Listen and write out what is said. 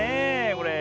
これ。